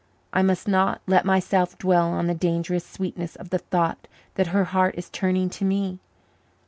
I must not let myself dwell on the dangerous sweetness of the thought that her heart is turning to me.